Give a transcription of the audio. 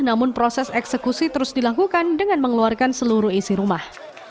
namun proses eksekusi terus dilakukan dengan mengeluarkan seluruh isi rumah